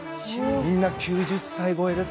みんな９０歳超えです。